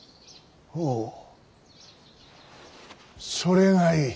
おうそれがいい。